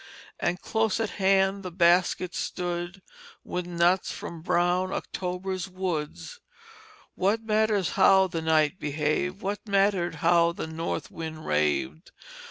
And, close at hand, the basket stood With nuts from brown October's woods. What matter how the night behaved! What matter how the north wind raved!